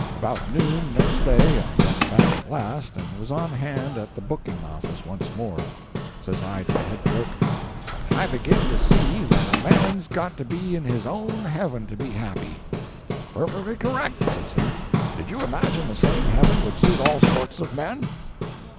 About noon next day, I got back at last and was on hand at the booking office once more. Says I to the head clerk— "I begin to see that a man's got to be in his own Heaven to be happy." "Perfectly correct," says he. "Did you imagine the same heaven would suit all sorts of men?"